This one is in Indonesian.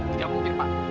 tidak mungkin pak